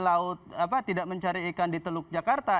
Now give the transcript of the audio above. kalau masyarakat jakarta tidak mencari ikan di teluk jakarta